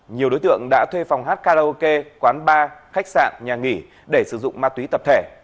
nhiều đối tượng đã thuê phòng hát karaoke quán bar khách sạn nhà nghỉ để sử dụng ma túy tập thể